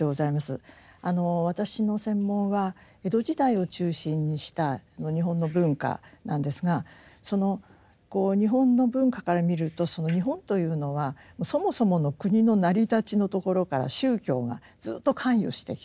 私の専門は江戸時代を中心にした日本の文化なんですがその日本の文化から見ると日本というのはそもそもの国の成り立ちのところから宗教がずっと関与してきた。